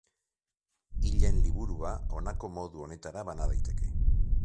Hilen Liburua, honako modu honetara bana daiteke.